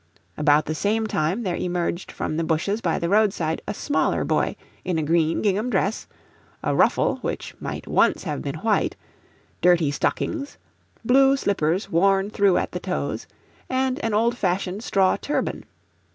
About the same time there emerged from the bushes by the roadside a smaller boy in a green gingham dress, a ruffle which might once have been white, dirty stockings, blue slippers worn through at the toes, and an old fashioned straw turban.